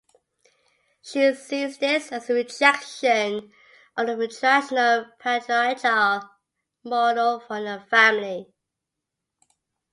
She sees this as a rejection of the traditional patriarchal model for the family.